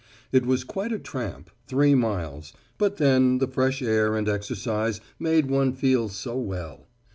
It was quite a tramp, three miles, but then the fresh air and exercise made one feel so well.